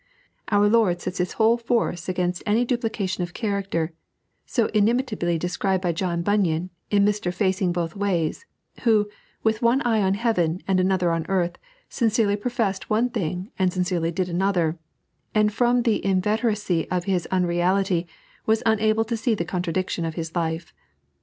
Our Lord sets His whole force against any duplication of character bo inimitably described by John Bunyan, in Mr. IWiing hoth ways, who, with one eye on heaven and another on earth, sincerely professed one thing and sincerely did another, and from the inveteracy of his unreality was unable to see the contradiction of his life.